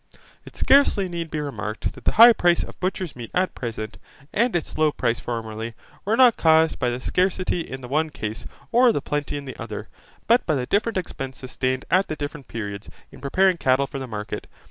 It scarcely need be remarked that the high price of butchers' meat at present, and its low price formerly, were not caused by the scarcity in the one case or the plenty in the other, but by the different expense sustained at the different periods, in preparing cattle for the market.